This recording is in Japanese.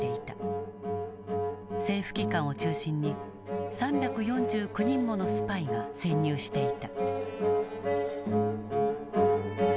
政府機関を中心に３４９人ものスパイが潜入していた。